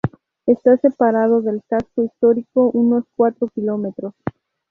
Está separado del casco histórico unos cuatro kilómetros.